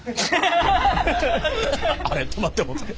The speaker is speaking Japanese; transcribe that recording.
あれ止まってもうた。